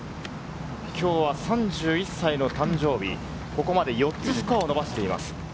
今日は３１歳の誕生日、ここまで４つスコアを伸ばしています。